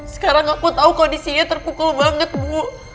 sekarang aku tahu kondisinya terpukul banget bu